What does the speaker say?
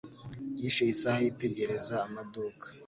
Yishe isaha yitegereza amaduka.